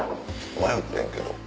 迷ったんやけど。